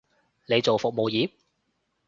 你做服務業？